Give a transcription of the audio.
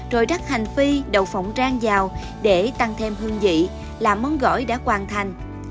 rồi rắc hành phi đậu phộng rang vào để tăng thêm hương vị là món gỏi đã hoàn thành